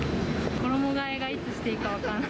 衣がえをいつしていいか分からない。